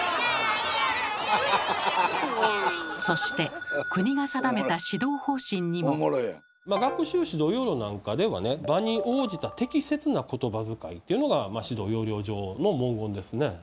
そして学習指導要領なんかではね「場に応じた適切なことばづかい」というのが指導要領上の文言ですね。